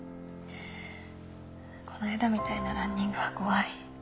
こないだみたいなランニングは怖い。